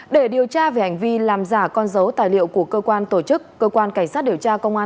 để điều tra về hành vi làm giả con dấu tài liệu của cơ quan tổ chức cơ quan cảnh sát điều tra công an